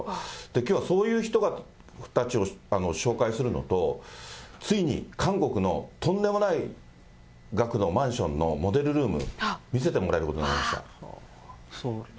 きょうはそういう人たちを紹介するのと、ついに韓国のとんでもない額のマンションのモデルルーム、見せてもらえることになりました。